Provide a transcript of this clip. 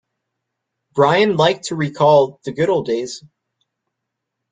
Brian liked to recall the good old days.